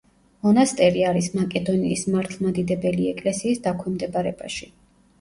მონასტერი არის მაკედონიის მართლმადიდებელი ეკლესიის დაქვემდებარებაში.